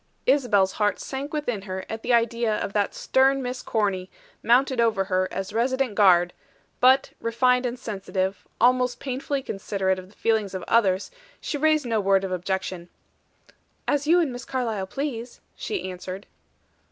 Isabel's heart sank within her at the idea of that stern Miss Corny, mounted over her as resident guard; but, refined and sensitive, almost painfully considerate of the feelings of others, she raised no word of objection. "As you and Miss Carlyle please," she answered.